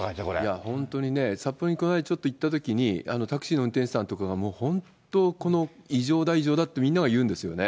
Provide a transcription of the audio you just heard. いや本当にね、札幌にこの間、ちょっと行ったときに、タクシーの運転手さんとかが本当に、異常だ異常だってみんなが言うんですよね。